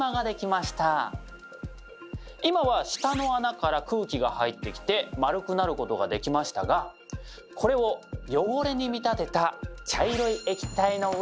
今は下の穴から空気が入ってきて丸くなることができましたがこれを汚れに見立てた茶色い液体の上でやってみましょう。